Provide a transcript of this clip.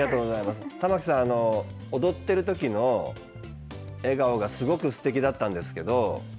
玉置さん踊っている時の笑顔がすごくすてきだったんですけど。